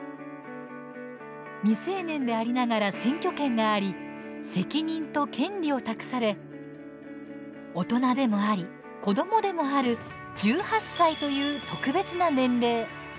未成年でありながら選挙権があり責任と権利を託され大人でもあり子どもでもある１８歳という特別な年齢。